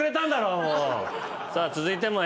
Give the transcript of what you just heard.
さあ続いても。